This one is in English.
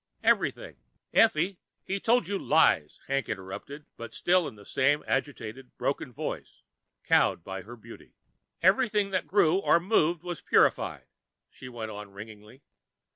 Everything " "Effie, he told you lies!" Hank interrupted, but still in that same agitated, broken voice, cowed by her beauty. "Everything that grew or moved was purified," she went on ringingly.